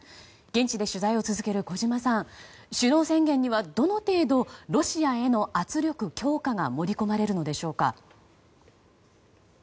現地で取材を続ける小島さん、首脳宣言にはどの程度ロシアへの圧力強化が盛り込まれるのでしょうか。